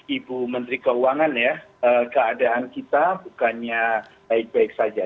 ibu menteri keuangan ya keadaan kita bukannya baik baik saja